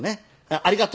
「ありがとう」